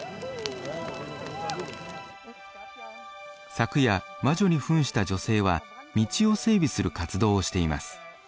昨夜魔女に扮した女性は道を整備する活動をしています。